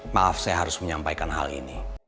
maaf saya harus menyampaikan hal ini